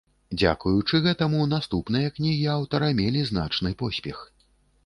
Дзякуючы гэтаму наступныя кнігі аўтара мелі значны поспех.